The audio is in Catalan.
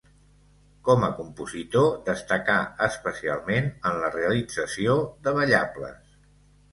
Com a compositor, destacà especialment en la realització de ballables.